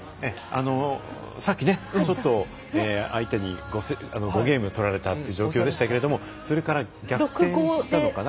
さっき、ちょっと相手に５ゲーム取られた状況でしたがそれから逆転したのかな。